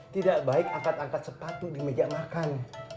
tidak baik angkat angkat sepatu di meja makan